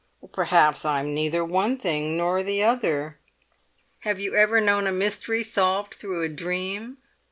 "Perhaps I'm neither one thing nor the other." "Have you ever known a mystery solved through a dream?"